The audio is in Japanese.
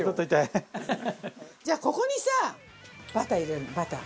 じゃあここにさバター入れるのバター。